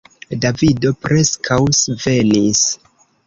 Davido preskaŭ svenis.